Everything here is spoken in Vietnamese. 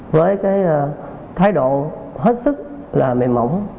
với cái thái độ hết sức là mềm mỏng